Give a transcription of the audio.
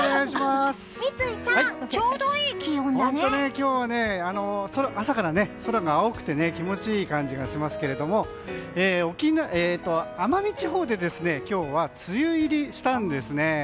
今日は朝から空が青くて気持ちいい感じがしますが奄美地方で今日は梅雨入りしたんですね。